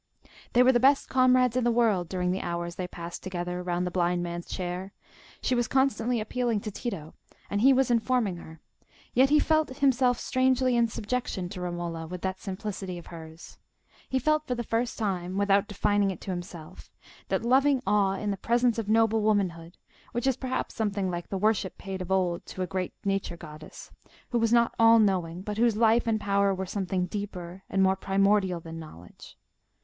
They were the best comrades in the world during the hours they passed together round the blind man's chair: she was constantly appealing to Tito, and he was informing her, yet he felt himself strangely in subjection to Romola with that simplicity of hers: he felt for the first time, without defining it to himself, that loving awe in the presence of noble womanhood, which is perhaps something like the worship paid of old to a great nature goddess, who was not all knowing, but whose life and power were something deeper and more primordial than knowledge.